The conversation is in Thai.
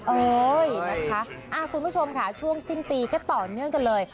เอ้ยนะคะคุณผู้ชมค่ะช่วงสิ้นปีก็ต่อเนื่องกันเลย